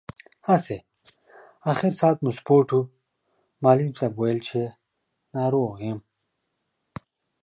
هسې، اخر ساعت مو سپورټ و، معلم صاحب ویل چې ناروغ یم.